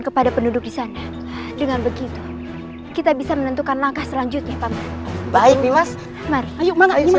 kepada penduduk di sana dengan begitu kita bisa menentukan langkah selanjutnya baik nimas ayo